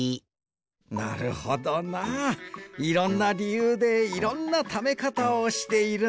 なるほどないろんなりゆうでいろんなためかたをしているんだな。